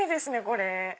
これ。